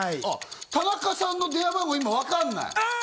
田中さんの電話番号、今、わかんない。